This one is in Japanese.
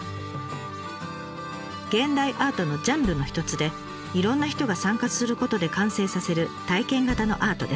現代アートのジャンルの一つでいろんな人が参加することで完成させる体験型のアートです。